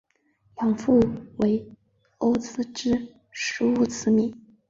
养父为欧普之狮乌兹米。